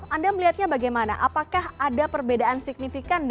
anda melihatnya bagaimana apakah ada perbedaan signifikan